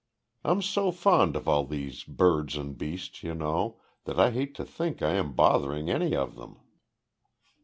I'm so fond of all these birds and beasts, you know, that I hate to think I am bothering any of them."